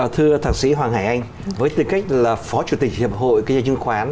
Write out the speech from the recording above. thưa thạc sĩ hoàng hải anh với tư cách là phó chủ tịch hiệp hội kinh doanh chứng khoán